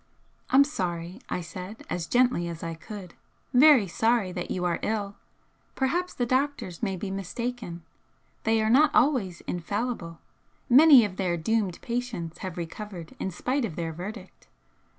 "I'm sorry," I said, as gently as I could "very sorry that you are ill. Perhaps the doctors may be mistaken. They are not always infallible. Many of their doomed patients have recovered in spite of their verdict.